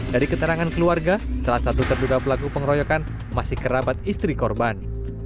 dari keterangan keluarga salah satu terduga pelaku pengeroyokan masih kerabat istri korban